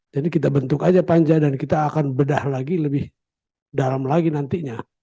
jadi kita bentuk saja panja dan kita akan bedah lagi lebih dalam lagi nantinya